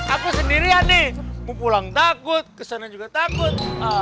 aku sendirian nih mau pulang takut kesana juga takut